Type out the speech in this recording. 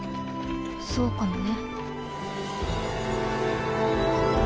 そうかもね。